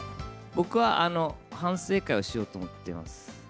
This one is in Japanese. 僕は、反省会をしようと思っています。